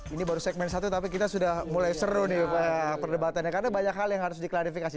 ini baru segmen satu tapi kita sudah mulai seru nih pak perdebatannya karena banyak hal yang harus diklarifikasi